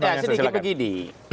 ya sedikit begini